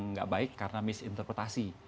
nggak baik karena misinterpretasi